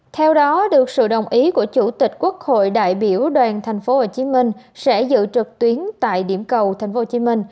theo đó được sự đồng ý của chủ tịch quốc hội đại biểu đoàn tp hcm sẽ dự trực tuyến tại điểm cầu tp hcm